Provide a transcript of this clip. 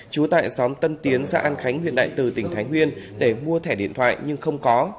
trú tại xóm tân tiến xã an khánh huyện đại từ tỉnh thái nguyên để mua thẻ điện thoại nhưng không có